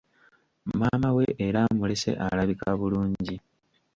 Maama we era amulese alabika bulungi.